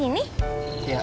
aku mau ke rumah